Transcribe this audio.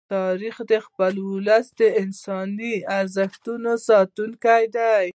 تاریخ د خپل ولس د انساني ارزښتونو ساتونکی دی.